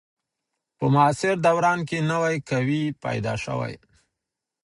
په معاصر دوران کي نوي قوې پیدا سوې.